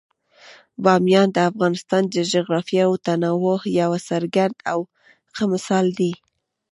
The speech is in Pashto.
بامیان د افغانستان د جغرافیوي تنوع یو څرګند او ښه مثال دی.